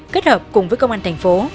kết hợp cùng với công an thành phố